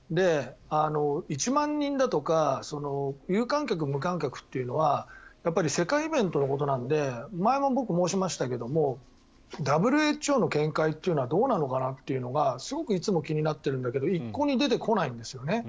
１万人だとか有観客、無観客っていうのは世界イベントのことなので前も僕、申しましたけどＷＨＯの見解っていうのはどうなのかなっていうのがすごくいつも気になってるんだけど一向に出てこないんですよね。